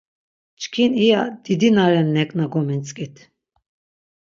Çkin iya didi na ren neǩna gomintzǩit.